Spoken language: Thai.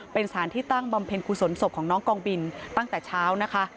เป็นสารที่ตั้งบำเพ็ญกุศลศพของน้องกองบินตั้งแต่เช้านะคะ